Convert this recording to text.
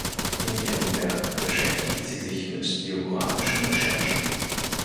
In ihrem Werk beschäftigt sie sich mit biographischen Recherchen.